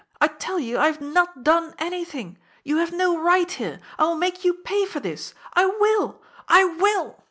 I tell you, I have not done anything! You have no right here! I will make you pay for this! I will! I will!"